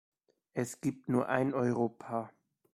Es gibt nur ein Europa.